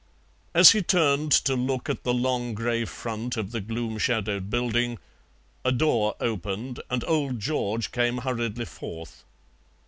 As he turned to look at the long grey front of the gloom shadowed building, a door opened and old George came hurriedly forth.